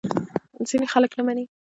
ځینې خلک نه مني.